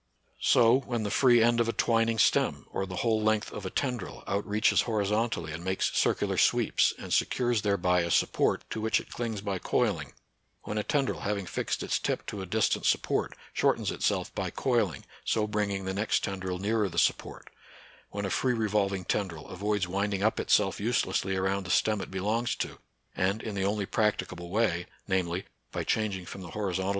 So, when the free end of a twining 8tem, or the whole length of a ten dril, outreaches horizontally and makes circular sweeps, and secures thereby a support, to which it clings by coiling; when a tendril, having fixed its tip to a distant support, shortens itself by coiling, so bringing the next tendril nearer the support ; when a free revolving tendril avoids winding up itself uselessly around the stem it belongs to, and in the only practicable way, namely, by changing from the horizontal 24 NATURAL SCIENCE AND RELIGION.